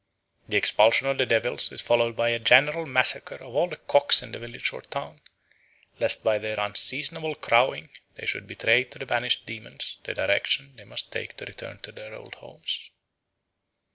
The expulsion of the devils is followed by a general massacre of all the cocks in the village or town, lest by their unseasonable crowing they should betray to the banished demons the direction they must take to return to their old homes.